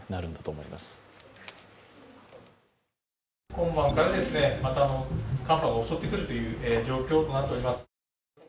今晩から、また寒波が襲ってくるという状況となっております。